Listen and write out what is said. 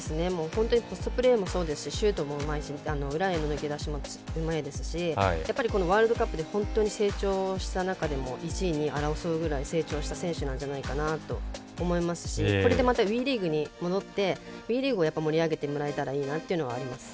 ポストプレーもそうですしシュートもうまいし裏への抜け出しもうまいですしワールドカップで本当に成長した中で１位、２位を争うぐらい成長した選手なんじゃないかなと思いますしこれで、またＷＥリーグに戻ってＷＥリーグを盛り上げてもらえたらなと思います。